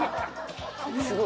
すごい。